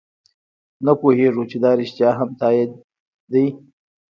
نه پوهېږو چې دا رښتیا هم تایید دی.